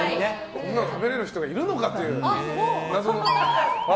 食べれる人がいるのかという。